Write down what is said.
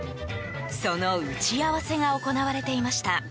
その打ち合わせが行われていました。